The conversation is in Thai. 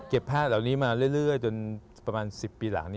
แพทย์เหล่านี้มาเรื่อยจนประมาณ๑๐ปีหลัง